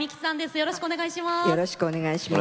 よろしくお願いします。